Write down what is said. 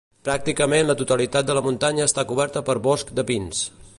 Pràcticament la totalitat de la muntanya està coberta per boscs de pins.